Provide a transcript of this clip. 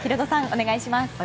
お願いします。